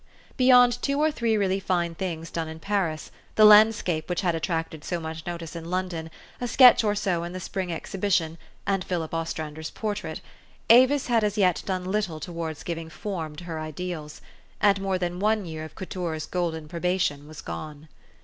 Beyond two or three really fine things done in Paris, the landscape which had attracted so much notice in London, a sketch or so in the spring exhi bition, and Philip Ostrander's portrait, Avis had as yet done little towards giving form to her ideals ; and more than one year of Couture' s golden proba tion was gone.